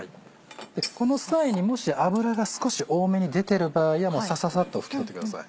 この際にもし油が少し多めに出てる場合はサササっと拭き取ってください。